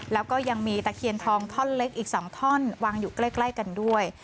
แล้วก็ยังมีตะเคียนทองท่อนเล็กอีก๒ท่อนวางอยู่ใกล้กันด้วย